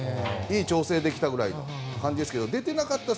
いい調整ができたぐらいの感じですが、出ていなかった